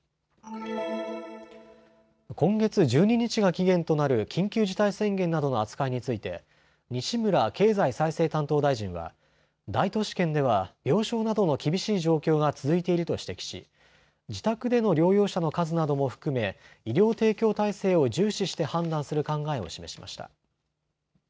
今月１２日が期限となる緊急事態宣言などの扱いについて西村経済再生担当大臣は大都市圏では病床などの厳しい状況が続いていると指摘し自宅での療養者の数なども含め医療提供体制を重視して判断する考えを示しました。